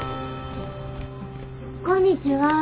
こんにちは。